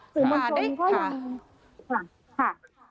สื่อมณฑลก็อย่างนี้ค่ะ